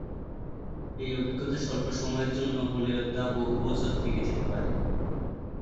এই অভিজ্ঞতা স্বল্প সময়ের জন্য হলেও তা বহু বছর থেকে যেতে পারে।